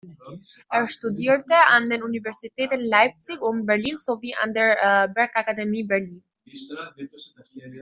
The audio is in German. Er studierte an den Universitäten Leipzig und Berlin sowie an der Bergakademie Berlin.